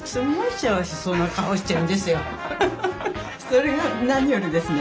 それが何よりですね。